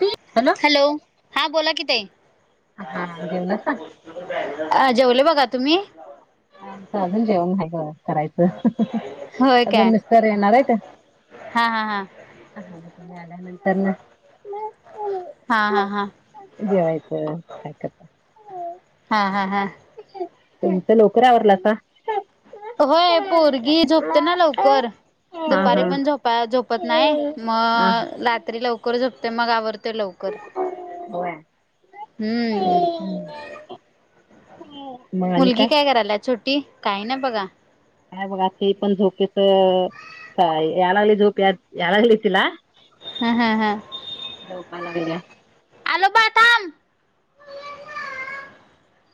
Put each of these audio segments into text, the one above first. [inaudible] Hello! हा बोला की ताई, हा जेवलासा? अ जेवलो बघा तुम्ही? आं आमच अजून जेवण व्हायचंय करायच होय काय अजुन मिस्टरयेणार आहेत. हा हा हा. ह तेनीं आल्यानंतर न हा हा [unintelligible] हा जेवायच काय करता. हा हा हा. [unintelligible] तुमच लवकर आवरलासा? होय पोरगी झोपते ना लवकर. दुपारी हा पण झोपाया झोपत नाही हा मग रात्री लवकर झोपते मग आवर तय लवकर हम्म. ह [unintelligible] [unintelligible] मुलगी काय कराल्या छोटी, काय ना हा, बघ आ ते पण झोपेचं. स.. यालागल झोप यालागले तिला. हा. हा. हा. झोपालागल्या. आलो बाळ थाम.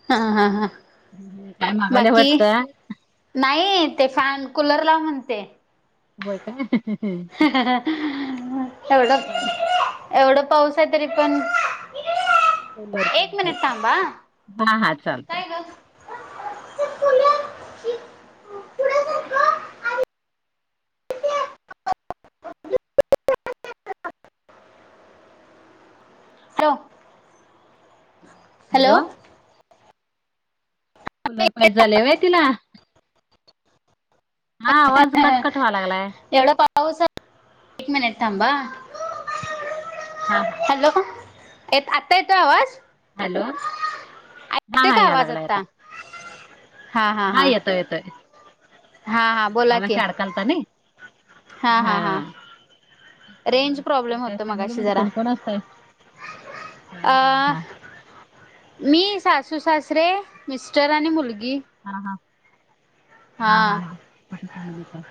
हा. हा. हा. हम. हम. काय मागाल्या बाकी वाटतं. नाही ते, फॅन कुलर लाव म्हणते. होय काय. एवढंच. एवढं पाऊस आहे तरी पण. कूलर एक पाहिजे मिनिट थांबा हं, हा हा चालतय काय गं [unintelligible] हॅलो, हॅलो. कुलर पायजे झाले वय तिला. हा आवाज कटकट व्हा लागलाय. एवढा पाऊस, एक मिनिट थांबा हं. हा हा. हॅलो. आता येतोय आवाज. हॅलो, हा येतोय हा का या आवाज लागला आता. आत्ता हा येतोय येतोय, हा हा बोला की मगाशी अडकालता नी. हा. हा. हा. रेंज आणि प्रॉब्लेम काय होतो फॅमिली मगाशी मध्ये जरा कोण कोण असताय. हा हा अ हा. मी सासू सासरे मिस्टर आणि मुलगी. हा.. हा, हा.. हा छोटी फॅमिलीच हाय.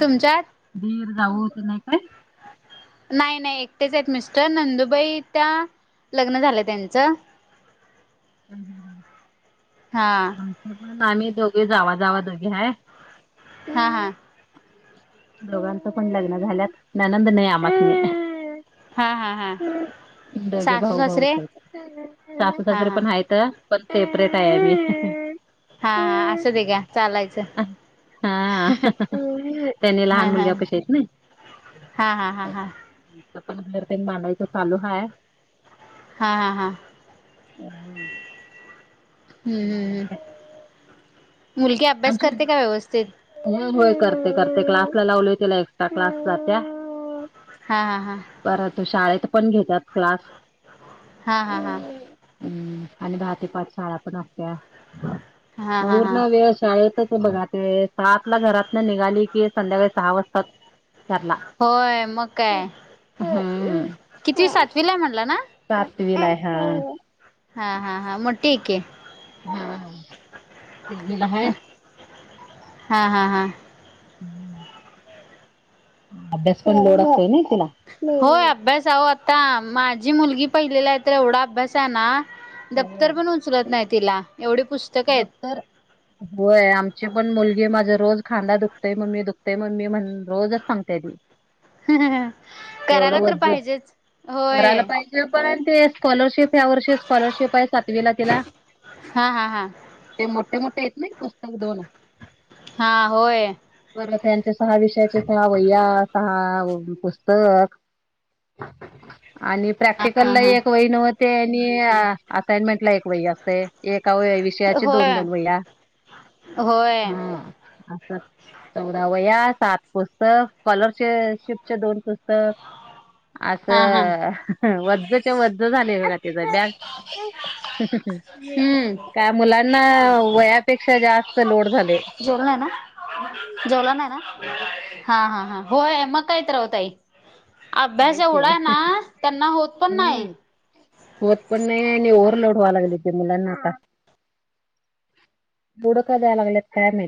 तुमच्यात दीर जाऊ कोण नाही काय. नाही नाही एकटेच आहेत मिस्टर, नंदुबाई त्या लग्न झालंय त्यांचं. हम हम. हां. पण आम्ही दोघं जावा जावा दोघी हाय. हा हा. दोघांचं पण लग्न झाल्यात. ननंद नाही आमासनी. हा. हा. हा. दोघे सासू भाऊ भाऊच सासरे हायत, सासू हा सासरे हा पण हायत पण सेपरेट आम्ही. हा. हा. असूद्या घ्या चालायचं. हा.. त्यांनी हा लहान हा मुलग्यापशी हायत नी. हा. हा. हा. हा. मग घर तेन बांधायचं चालू हाय. हा हा हा. हम्म हम्म हम्म. मुलगी अभ्यास आमची करते काय व्यवस्थित. होय होय. करते करते, क्लासला लावले तिला एक्स्ट्रा क्लास जात्या. हा. हा. हा. परत, शाळेत पण घेत्यात क्लास हा. हा. हा. हम्म. आणि दहा ते पाच शाळा पण असत्या. हा हा हा पूर्ण वेळ शाळेतच बघा ते. आटला घरातन निघाली की, संध्याकाळी सहा वाजता चं. घरला होय मग काय हम्म. पिला म्हणटलं ना. सातवी लाय हा हा हा हा मोठीक आहे. हा ते मला ह हा हा हा हम्म अभ्यास पण लोड असतोय ना तिला होय अभ्यासह आता माझी मुलगी पहिलेली आहे तर एवढा अभ्यास आहे ना. दफ्तर होय पण उचलत नाही तिला एवढे पुस्त दप्तर होय आमची पण मुलगी माझं रोज खांदा दुखते मम्मी दुखतेय मम्मी म्हण रोजच सांगते ती. ह करायला तर पाहिजेच होय. ज पर्य ते स्कॉलरशिप ह्या वर्षी स्कॉलरशिप आहे सातवी ला तिला हा हा हा ते मोठे मोठे आहेत ना पुस्तक दोन हा होय वरथ यांचे सहा विषयाचे सहा वया सहा पुस्तक ह आणि हा प्रॅक्टिकल हा ला हा एक वही नव्हते आणि असाइनमेंट ला एक वय असते एक काव विषयाचे होय दोन दल वया होय हा अस चौदा वया सात पुस्तक स्कॉलरशशिपचे दोन पुस्तक हा हा असं वजच्या वज झाले ब तचा बॅग अ हम्म का मुलांना वयापेक्षा जास्त लोड झाले. झोल ना आहे ना जोला ना आहे ना हा हा हां होय मग काहीत रावताई होय अभ्यास की एवढा आहे ना त्यांना होत पण नाही. ओतकडण नाही ओवरलोड वा्हालगलली ते मुला नाता बुड का दयला लागलेत कायम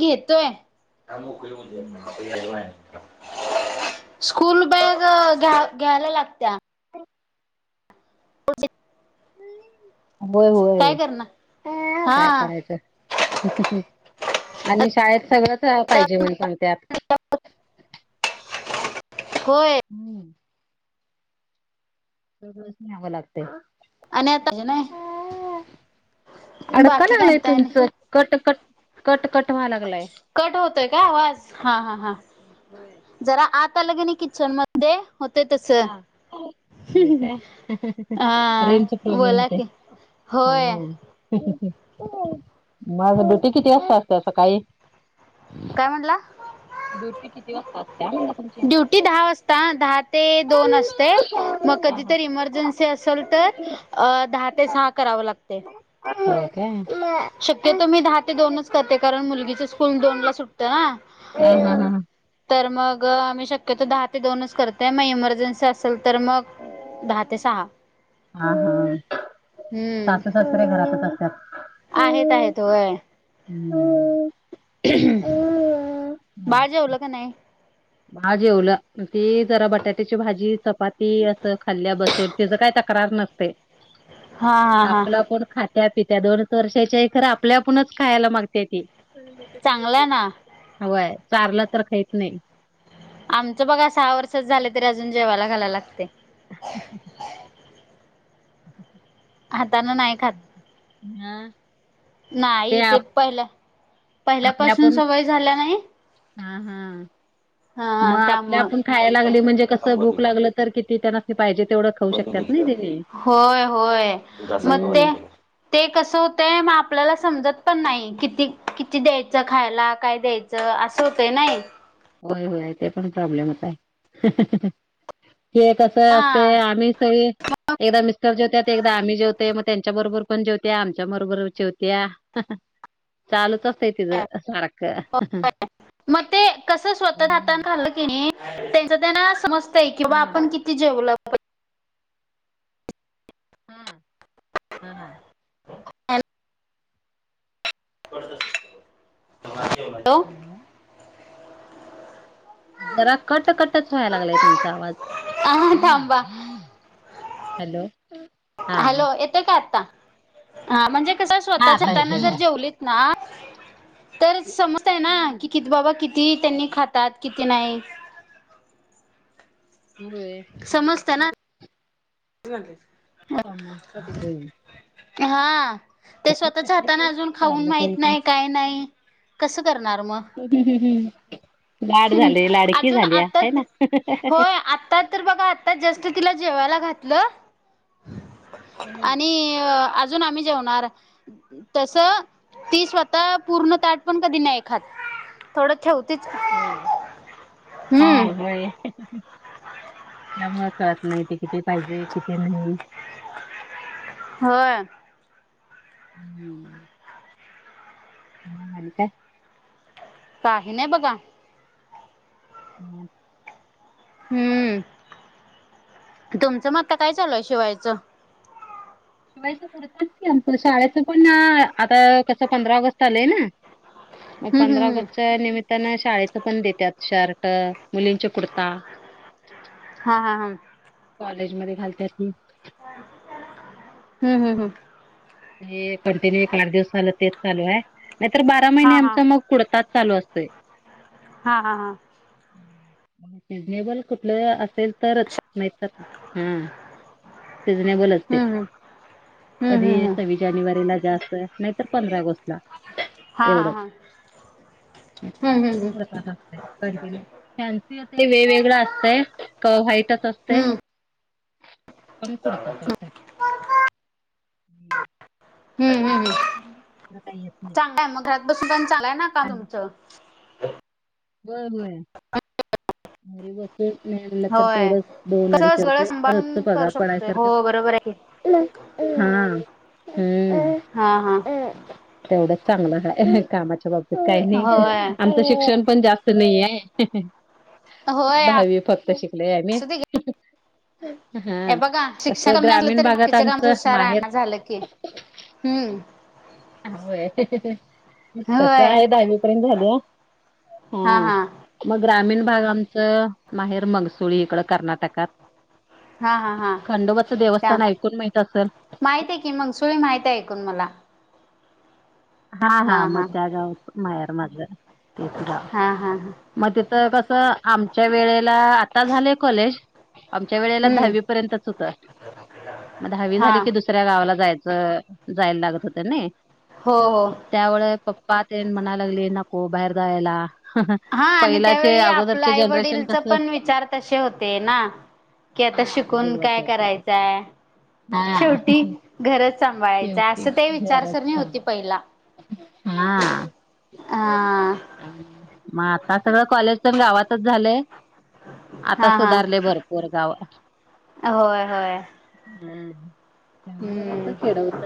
घेतोय मोक स्कूल बॅग घ्या घ्यायला लागत्या पुज होय होय काय हा करायचं. आणि शाळेत सगळंच पाहिजे म्हण सांगते आत होय हम्म सगळंच सवं लागते. आणि आताज ना अडका बाकी लागलंय काणता आहे. तुमचं कट कट कट कट व्हा लागलाय. कट होतोय का आवाज हा हा हा जरा आता लगेन किचन म हा होय काय हा रेनचा प्रॉब्लेम बोला होते. की होय हम् माझ ड्युटी किती असत असते अस काही काय म्हटलं. ड्युटी किती वाजता असत्या म्हणलं तुमची ड्युटी दहा वाजता दहा ते दोन असते. होय मग काय कधीतरी इमर्जन्सी असेल तर दहा ते सहा कराव लागते. का. शक्यतो मी दहा दोनच ते कारण मुलगीच स्कूल दोन ला सुटतं ना ह ह ह. तर मग आम्ही शक्यतो दहा ते दोनच करतेय मग इमर्जन्सी असेल तर मग दहा ते सहा हा हा हम्म सासू सासरे घरातच असत्याात. आहेत आहेत होय. नो बाळं जेवलं कां नाहीं बाळं जेवलं ती जरा बटाट्यांची भांजी चपांती असं खाल्ल्यां बसूंन त्यांचं कायं तक्रांर नसंते हा हा हा आपलं पणं ख त्यां पित्यां दोनचं वर्षाच्यां खरं आपल्यांपणचं खांयला मांगते ती चांगलंय ना. व्हंय चांरल तरं खांत नाहीं आमचं बघां सहा वर्षांचं झालं तरी अजूंन जेवांला घालावं लागते ् [unintelligible] हातानं नाहीं ह खातं नाहीं ते पहिलं पहिल्यांपासूंन सवंय झाल्यां नाहीं हं हं मंग हा आपल्यां त्यामुळं आपणं खांयला लागली म्हणजे कसं भूकं लागलं तरं किती त्यांसणी पाहीजे तेवढं खाऊ बंद शकतात केली ना कां तेनी. होयं होयं मंग ते हम्म ते कसं होतंय आपल्यालां समजतं पणं नाहीं किती किती द्यायचं खायलां कायं द्यायचं तं असं होतंय नाहीं होयं होयं ते पणं एक प्रॉब्लेम्स आहे ते एक चं ते असे हा आम्हीं सगळें एकदां मिस्टर जेवत्यां एकदां आम्हीं जेवतंय मंग त्यांच्या बरोबर पणं जेवत्यां आमच्यां बरोबर जेवत्यां चालूंच असतें तिचं सारखं मंग ते कसं स्वंतः हम्म हातानं खाल्लं की नाहीं त्यांचं त्यांनां संमत समजते किंव्हा हा आपणं किती जेवलं हम्मं हम्मं हॅलो हॅलो [unintelligible] जरां कंट कटचं व्हायंला लागलंय त्यांचा आवांज अहं थांबा हॅलो हा हॅलो येतं कां आतां हां म्हणजे कसं हा स्वंतः आता हाताने येतोय जर बघा जेवलेचं नां तरं समजतं नां हम्म कि किती बाबां किती किती त्यांनी खांतात किती नाहीं होयं चलानां कुठं चाले हम ह [unintelligible] हां ते स्वंतःच्यां हातांने अजूंन खाऊंन चाललं तरी माहित पण नाहीं कायं नाहीं कसं करणारं मंग हम्मं हमं लांड झालीं लाडकी झालीं हं नां त्यां तरं बघां आत्ता जस्तं तिला जेवांयला घातलं आणि अजूंन आम्हीं जेवणांर तसं ती स्वंतः पूर्ण तांट पणं कधीं नाहीं खांत थोडं ठेवतेचं होय हम्मं त्यांमुळं कळतं नाहीं ते किती पाहिजे किती नाहीं होयं हम्मं हा मा काय [unintelligible] कांहीं नाहीं बघां हम् [unintelligible] हम्मं तुमचं मं आता कायं चालूं आहे शिवायचं शिवायचं पुडतं की आमचं शाळेचं पणं आता कसं पंधरा ऑगस्ट आलंय नां मंग हम्म पंधरा हम्म हम्म ऑगस्टच्यां निमित्तानं शाळेचं पणं देतांत शर्ट मुलींच्या कुर्ता हां हां हां कॉलेजमध्येध्ये घालती हम्म हम्म हम्म हे कंटिन्यू एक आठ दिवस झाल तेच चालू आह,, नाहीतर बारा हा महिने हा आमच मगऽ कुडताच चालू असतय,, हा हा हा हम्म, रिजनेबल कुठलं असेल तरच,, नाहितर,, हां,, सिझनेबलचऽ हम्म, हम्म, हम्म, हम्म, हम्म सव्वीस जानेवारीला जास्त नाहीतर पंधरा ऑगस्टला हा हा एवढंच हा हम्म हम्म ता असतय. [unintelligible] फॅन्सी वेगवेगळं असतंय का व्हाईटच असतंय? हम्म कम कुडतात जास्त,, दुसर काही येत नाही. का मग घरात बसून पण चालाय ना काम तुमचं? होय होय. मरी बस नाही म्हणलं तर होय तेवढं दोन कसं अडीशे सगळं रोजच सांभाळून करू पगार पडाय शकतोय सारखं हो बरोबर आहे की हा, हम्म, हा, हा, तेवढं चांगलंय,, कामाच्या बाबतीत काही नाही,, होय आमचं शिक्षणऽ पण जास्त नाही होय दहावी फक्त शिकलेय मी असू दे घ्या पण हा, हे बघा शिक्षण कमी असलं ग्रामीण तरी भागात बाकीचं कामात आमचं हूशार माहेर आहेना झालं की हम्म वय,, तस होय आहे, दहावी पर्यंत झाल्या,,, हा हां. हा मग ग्रामीण भाग आमचं, माहेर मंगसुळी इकडं कर्नाटकातऽ हा हा हा खंडोबाचं त्या देवस्थान ऐकून माहित असेल,, माहित आहे की मंगसुळी माहती आहे ऐकून मला. हा, हा, मग त्या गावच मायर माझ,, तेच हा हा गावऽ हा मग तिथ कसं आमच्या वेळेल आता झालेय कॉलेज आमच्या वेळेला हम्म दहावी पर्यंतच होतं,, मग दहावी हा झाली की दुसऽ दुसऱ्या गावाला जायचं,, जायला लागत होत नाही. हो, हो, त्यामुळे पप्पा तेन म्हणायला लागले नको,, बाहेर जाायलाऽ हा आणि त्यावेळी आपलं आई जनरेशन वडीलचा कसं पण विचार तसे होते ना? कि आता हा शिकून वेगळंच काय होते ते. करायचंय? हा. शेवटी घरच सांभाळायचंय,, शेवटी असं ते घरात विचारसरणी काम. होती पहिला हा,, हा मग आता सगळं कॉलेजऽ पण गावातच झालय,, आता हा सुधारलय हा भरपूर गावऽ होय, होय, ह, तेव्हा जर अस हम्म खेडवत,,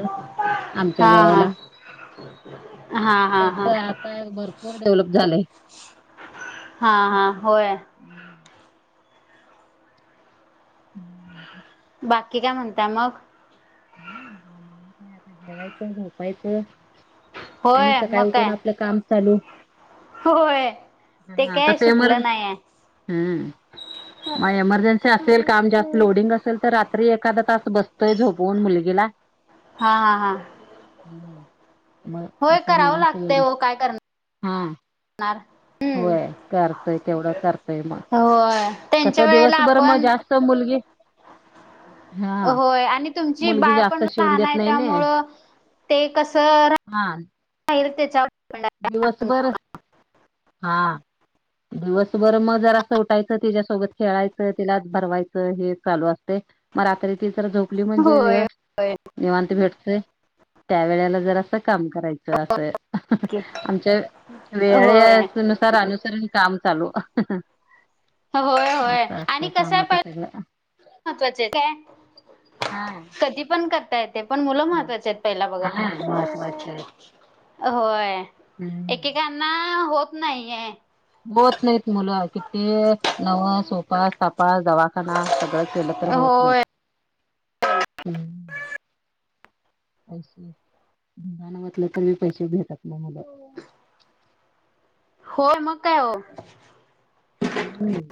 आमच्या वेळेलाऽ हो, त्याच आता भरपूर डेव्हलप झालंय. हा, हा, होय. हम्, बाकी काय म्हणताय मग? काय आता जेवायचं, झोपायचं, आणि होय मग सकाळी उठून काय आपलं काम चालू. होय,, ते हा काय तस एमर सुटलं नाहीये? हम्म. मग एमर्जन्सी असेल, काम जास्त लोडिंग असेल, तर रात्री एखदा तास बसतोय, झोप पण मुलगीला. हा हा हा. हम्म हम. होय करावं लागतय काय करणार. हा. हम्म होय करतोय तेवढं करतोय मग होय. तस त्यांच्या वेळेला दिवसभर मग आपण जास्त मुलगी हा होय आणि तुमची मुलगी बाळ पण जास्त शिवून लहान देत आहे नाही ना त्यामुळं ते कस हा त्यांच्यावर डिफेंड आ दिवसभर हा दिवसभर मग जरा असं उटायचं त्याच्यासोबत खेळायचं तिला भरवायचं हे चालू असते. मग रात्री ती तर झोपली म्हणजे वेळ होय निवांत भेटतेय, त्या वेळेला जर असं काम करायचं असं. आमच्या होय वेळे नुसार, अनुसरण काम चालू होय होय असं आणि असतंय कस कामाचं प सगळं महत्वाचे काय हा कधी पण करता येते पण मुलं महत्वाचे आहेत पहिला बघा हा महत्वाचे आहेत होय हम्म एकेकांना होत नाहीय‌ बत नाहीत मुलं किती नवह उपास तपास दवा णा सगळं केलं तर होत नाही. होय पैसे ढिगाण वाटले तर मी पैसे भेटत नाही मुल होय मग काय हो. हम्म.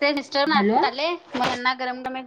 ते सिस्टर आत्ता हॅलो आले मना गरम ग